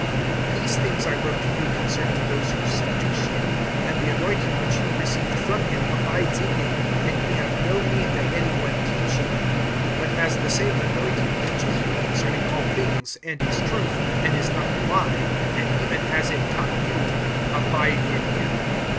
(26)These things I wrote to you concerning those who seduce you. (27)And the anointing which ye received from him abides in you, and ye have no need that any one teach you; but, as the same anointing teaches you concerning all things, and is truth, and is not a lie, and even as it taught you, abide in him.